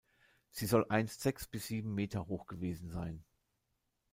Sie soll einst sechs bis sieben Meter hoch gewesen sein.